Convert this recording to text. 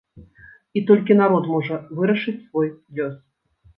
І толькі народ можа вырашыць свой лёс.